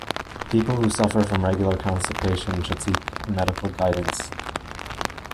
People who suffer from regular constipation should seek medical guidance.